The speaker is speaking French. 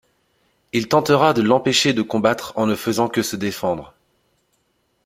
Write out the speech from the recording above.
Il tentera de l'empêcher de combattre en ne faisant que se défendre.